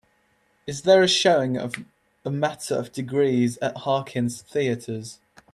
Is there a showing of A Matter of Degrees at Harkins Theatres